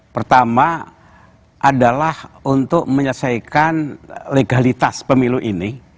pertama adalah untuk menyelesaikan legalitas pemilu ini